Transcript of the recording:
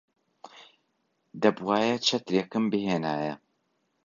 دەبوایە چەترێکم بهێنایە.